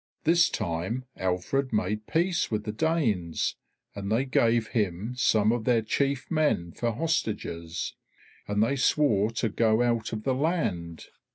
This time Alfred made peace with the Danes, and they gave him some of their chief men for hostages, and they swore to go out of the land.